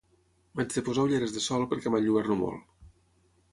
M'haig de posar ulleres de sol perquè m'enlluerno molt